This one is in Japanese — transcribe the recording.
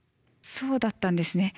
そうだったんですね。